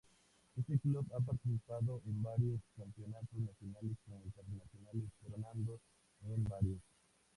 Este club ha participado en varios campeonatos nacionales como internacionales coronando en varios.